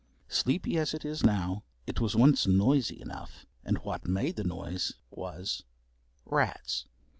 Sleepy as it is now, it was once noisy enough, and what made the noise was rats.